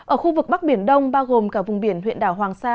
ở khu vực bắc biển đông bao gồm cả vùng biển huyện đảo hoàng sa